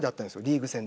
リーグ戦。